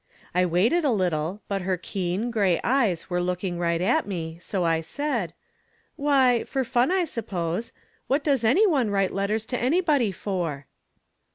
I waited a little, but her keen, gray eyes were look ing right at me ; so I said :" Why, for fun, I suppose ; what does any one write letters to anybody for